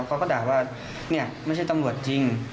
เขาก็ด่าว่าเนี่ยไม่ใช่ตำรวจจริง